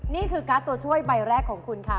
นี่คือการ์ดตัวช่วยใบแรกของคุณค่ะ